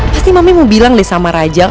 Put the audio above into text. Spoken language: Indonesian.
pasti mami mau bilang nih sama raja